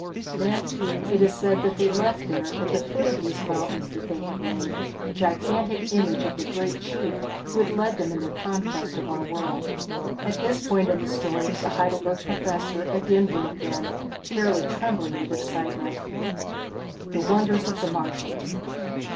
"Then, too, it is said they left there at the foot of these mountains that they had made a gigantic image of the great chief who led them in their conquest of our world." At this point in the story the Heidelberg Professor again broke in, fairly trembling with excitement: The Wonders of the Martians!